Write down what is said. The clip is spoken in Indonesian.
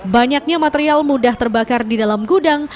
banyaknya material mudah terbakar di dalam gudang